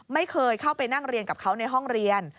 ไม่เคยเข้าไปนั่งเรียนกับเขาในห้องเรียน